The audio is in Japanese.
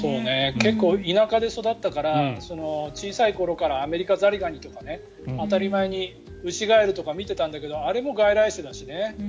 結構、田舎で育ったから小さい頃からアメリカザリガニとか当たり前にウシガエルとか見ていたんだけどあれも外来種だしね。